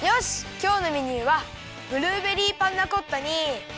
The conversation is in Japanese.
きょうのメニューはブルーベリーパンナコッタにきまり！